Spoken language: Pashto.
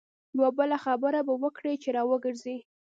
یوه بله خبره پر وکړه چې را وګرځي.